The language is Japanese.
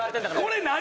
これ何！？